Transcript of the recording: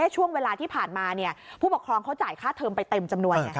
ช่วงเวลาที่ผ่านมาผู้ปกครองเขาจ่ายค่าเทิมไปเต็มจำนวน